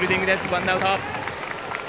ワンアウト。